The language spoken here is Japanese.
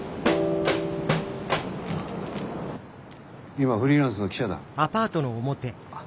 今はフリーランスの記者だ。